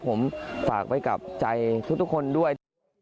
ผมฝากไปกับใจทุกคนด้วย